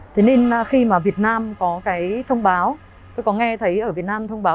thế nên khi mà việt nam có cái thông báo tôi có nghe thấy ở việt nam thông báo